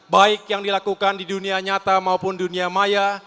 baik yang dilakukan di dunia nyata maupun dunia maya